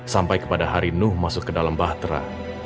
sampai kepada hari nuh masuk ke dalam bahtera